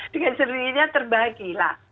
dengan seri serinya terbagi lah